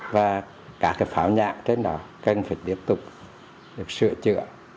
và cả cái phảo nhạc trên đó cần phải tiếp tục được sửa chữa